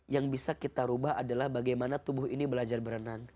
yang bisa kita rubah adalah bagaimana tubuh ini belajar berenang